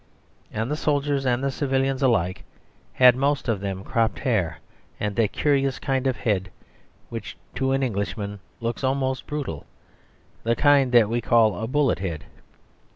And the soldiers and the civilians alike had most of them cropped hair, and that curious kind of head which to an Englishman looks almost brutal, the kind that we call a bullet head.